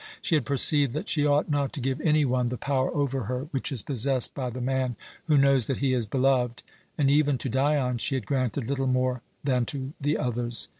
She had perceived that she ought not to give any one the power over her which is possessed by the man who knows that he is beloved, and even to Dion she had granted little more than to the others.